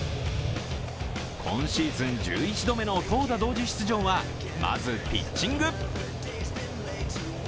今シーズン１１度目の投打同時出場は、まずピッチング。